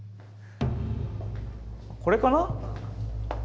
これかな？